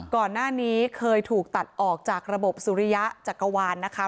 ก่อนหน้านี้เคยถูกตัดออกจากระบบสุริยะจักรวาลนะคะ